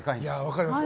分かります。